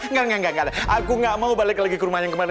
enggak enggak aku gak mau balik lagi ke rumah yang kemana